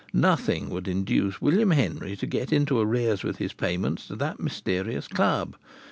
Nothing would induce William Henry to get into arrears with his payments to that mysterious Club.